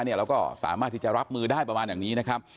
เราก็สามารถที่จะรับมือได้ประมาณอย่างนี้นะครับ